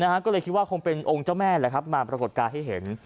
ก็เลยคิดว่าคงเป็นองค์เจ้าแม่แหละครับมาปรากฏการณ์ให้เห็น